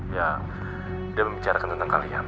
ya dia membicarakan tentang kalian